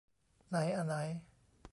ไหนอะไหน